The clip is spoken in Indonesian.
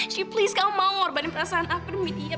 she please kamu maafkan perasaan aku demi dia